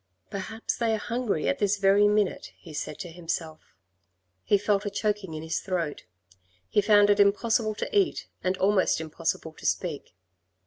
" Perhaps they are hungry at this very minute," he said to himself. He felt a choking in his throat. He found it impossible to eat and almost impossible to speak.